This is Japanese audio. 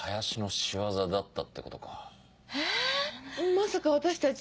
まさか私たち